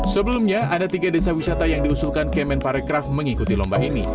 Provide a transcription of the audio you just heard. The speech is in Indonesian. sebelumnya ada tiga desa wisata yang diusulkan kemen parekraf mengikuti lomba ini